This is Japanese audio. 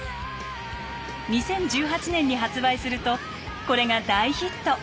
２０１８年に発売するとこれが大ヒット。